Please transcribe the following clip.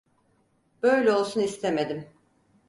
Böyle olsun istemedim.